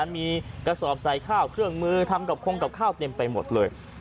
มีกระสอบใส่ข้าวเครื่องมือทำกับคงกับข้าวเต็มไปหมดเลย